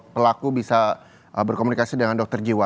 pelaku bisa berkomunikasi dengan dokter jiwa